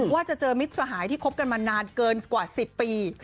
ว่าจะเจอมิตรสหายที่คบกันมานานเกินกว่า๑๐ปี